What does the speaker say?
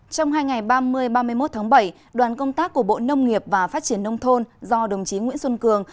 trong hai ngày ba mươi ba mươi một tháng bảy đoàn công tác của bộ nông nghiệp và phát triển nông thôn do đồng chí nguyễn xuân cường